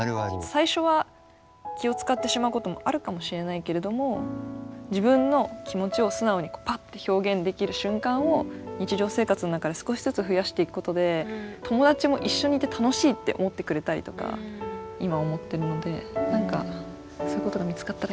最初は気を遣ってしまうこともあるかもしれないけれども自分の気持ちを素直にぱっと表現できる瞬間を日常生活の中で少しずつ増やしていくことで友達も一緒にいて楽しいって思ってくれたりとか今思ってるので何かそういうことが見つかったらいいなって思って。